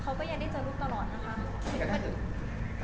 เขาก็ยังได้เจอลูกตลอดนะคะ